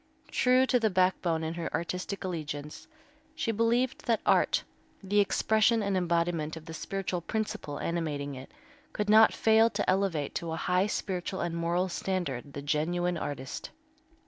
True to the backbone in her artistic allegiance, she believed that art, the expression and embodiment of the spiritual principle animating it, could not fail to elevate to a high spiritual and moral standard the genuine artist.